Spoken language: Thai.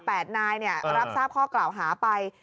๘นายเนี่ยรับทราบข้อกล่าวหาไป